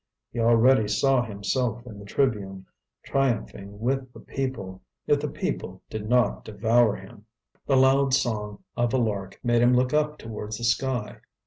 He already saw himself in the tribune, triumphing with the people, if the people did not devour him. The loud song of a lark made him look up towards the sky.